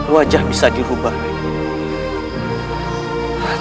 wajah bisa diubah rai